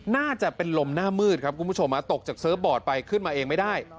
น่าจะเป็นลมหน้ามืดครับคุณผู้ชมตกจากเซิร์ฟบอร์ดไปขึ้นมาเองไม่ได้